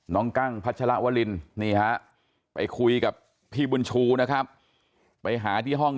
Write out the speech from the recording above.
กั้งพัชรวรินนี่ฮะไปคุยกับพี่บุญชูนะครับไปหาที่ห้อง